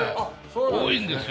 多いんですよ。